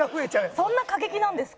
そんな過激なんですか？